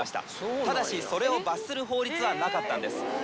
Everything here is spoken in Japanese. ただし、それを罰する法律はなかったんです。